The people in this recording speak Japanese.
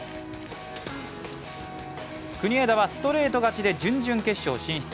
国枝はストレート勝ちで準々決勝進出。